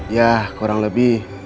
ya kurang lebih